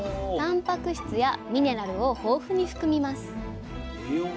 タンパク質やミネラルを豊富に含みます